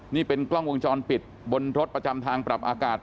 นี่เป็นกล้องวงจรปิดบนรถประจำทางปรับอากาศ